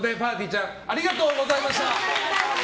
ちゃんありがとうございました。